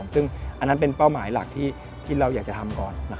ซึ่งอันนั้นเป็นเป้าหมายหลักที่เราอยากจะทำก่อน